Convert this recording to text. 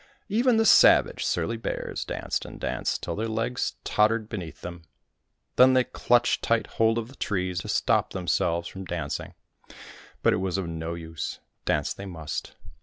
Even the savage, surly bears danced and danced till their legs tottered beneath them. Then they clutched tight hold of the trees to stop themselves from dancing ; but it was of no use, dance they must.